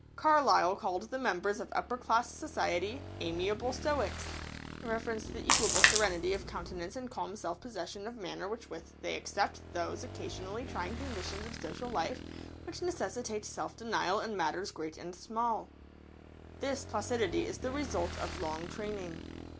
Carlyle called the members of upper class society "amiable stoics," in reference to the equable serenity of countenance and calm self possession of manner with which they accept those occasionally trying conditions of social life which necessitate self denial in matters great and small. [Sidenote: "Amiable stoics."] This placidity is the result of long training.